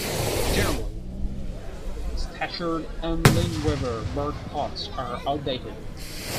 Generally, Scatchard and Lineweaver-Burk plots are outdated.